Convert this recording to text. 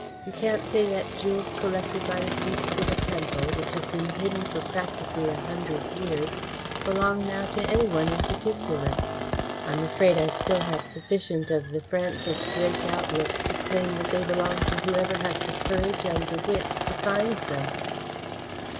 "You can't say that jewels collected by the priests of a temple, which have been hidden for practically a hundred years, belong now to any one in particular. I am afraid I still have sufficient of the Francis Drake outlook to claim that they belong to whoever has the courage and the wit to find them."